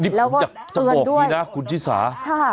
อยากจะบอกนี้นะคุณศิษฐา